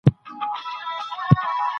ټول افغانان باید د ملي ټیم ملاتړ وکړي.